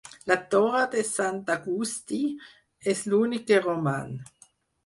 La torre de Sant Agustí és l'únic que roman.